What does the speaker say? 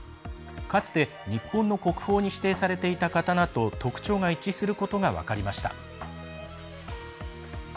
かつて日本の国宝に指定されていた刀と特徴が一致することが分かりました。